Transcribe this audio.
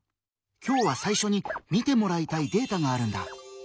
今日は最初に見てもらいたいデータがあるんだ。